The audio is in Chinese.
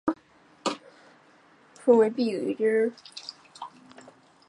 菊石目壳有间隔的部份称为闭锥。